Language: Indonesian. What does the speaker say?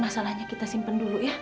masalahnya kita simpen dulu ya